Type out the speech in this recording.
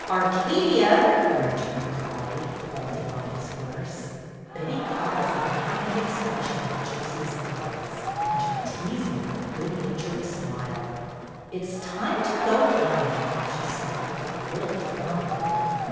"Arcadia!'' Minturne cried, vaulting off his horse. Betty caught the significant expression in the gypsy's eyes and her teasing yet good natured smile. " It 's time to go home," she said, a little formally.